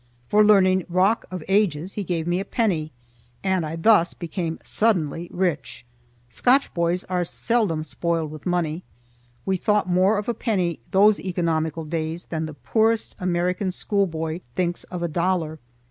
For learning "Rock of Ages" he gave me a penny, and I thus became suddenly rich. Scotch boys are seldom spoiled with money. We thought more of a penny those economical days than the poorest American schoolboy thinks of a dollar.